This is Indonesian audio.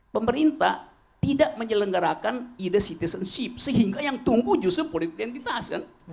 pemerintah tidak menyelenggarakan ide citizenship sehingga yang tunggu justru politik identitas kan